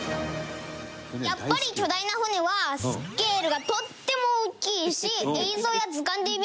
やっぱり巨大な船はスケールがとっても大きいし。